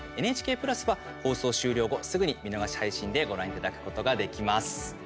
ＮＨＫプラスは放送終了後すぐに見逃し配信でご覧いただくことができます。